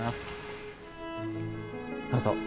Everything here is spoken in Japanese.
どうぞ。